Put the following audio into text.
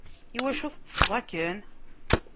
Iwacu teṭṭseḍ akken?